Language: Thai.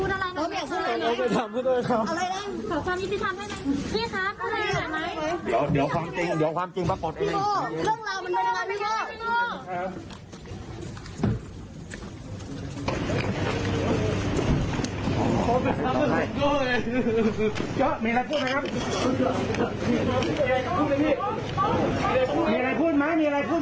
เดี๋ยวความจริงประกอบ